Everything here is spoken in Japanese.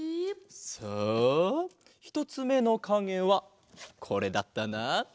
さあひとつめのかげはこれだったな。